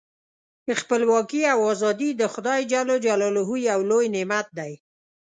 خپلواکي او ازادي د خدای ج یو لوی نعمت دی.